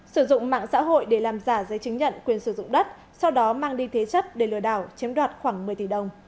sử dụng mạng xã hội để làm giả giấy chứng nhận quyền sử dụng đất sau đó mang đi thế chất để lừa đảo chiếm đoạt khoảng một mươi tỷ đồng